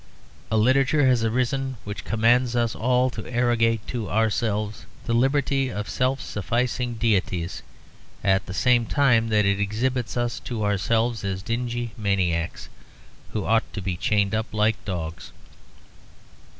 A literature has arisen which commands us all to arrogate to ourselves the liberty of self sufficing deities at the same time that it exhibits us to ourselves as dingy maniacs who ought to be chained up like dogs.